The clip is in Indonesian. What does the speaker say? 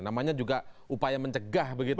namanya juga upaya mencegah begitu